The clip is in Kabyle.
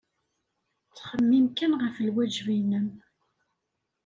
Ttxemmim kan ɣef lwajeb-nnem.